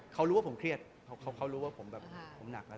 เขารู้ว่าผมเครียดเขารู้ว่าผมแบบผมหนักแล้ว